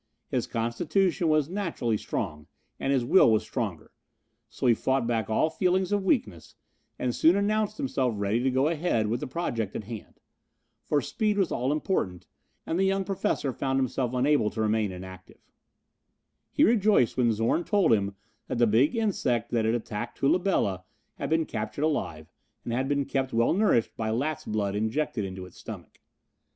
His constitution was naturally strong and his will was stronger, so he fought back all feelings of weakness and soon announced himself ready to go ahead with the project at hand. For speed was all important, and the young professor found himself unable to remain inactive. He rejoiced when Zorn told him that the big insect that had attacked Tula Bela had been captured alive and had been kept well nourished by lat's blood injected into its stomach.